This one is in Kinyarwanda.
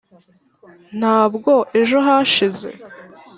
ntabwo ejo hashize?